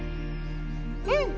うん！